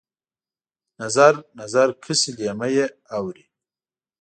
نظر، نظر کسي لېمه یې اورې